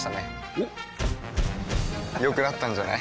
おっ良くなったんじゃない？